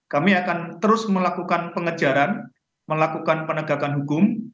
kami akan terus melakukan pengejaran melakukan penegakan hukum